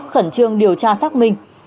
khẩn trương điều tra xác minh